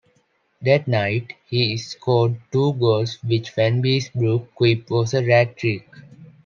That night, he scored two goals, which Vanbiesbrouck quipped was a rat trick.